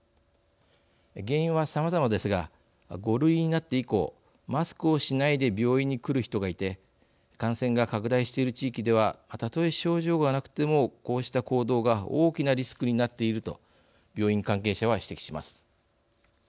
原因はさまざまですが５類になって以降マスクをしないで病院に来る人がいて感染が拡大している地域ではたとえ症状がなくてもこうした行動が大きなリスクになっていると病院関係者は指摘します。